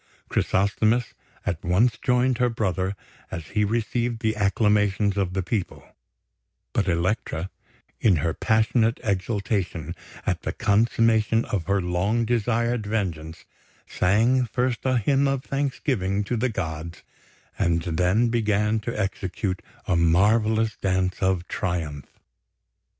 Chrysosthemis at once joined her brother as he received the acclamations of the people; but Elektra, in her passionate exultation at the consummation of her long desired vengeance, sang first a hymn of thanksgiving to the gods, and then began to execute a marvellous dance of triumph.